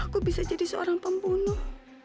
aku bisa jadi seorang pembunuh